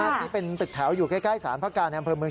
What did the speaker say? ที่เป็นตึกแถวอยู่ใกล้ศาลภาคกาแนมเผลอเมือง